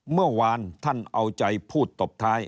เมื่อวานท่านเอาใจพูดตบท้าย